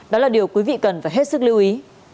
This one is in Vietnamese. đó là điều quý vị cần phải hết sức lưu ý